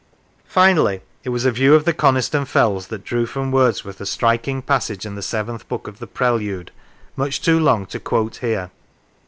Finally, it was a view of the Coniston fells that drew from Wordsworth a strik ing passage in the Seventh Book of the Prelude, much too long to quote here.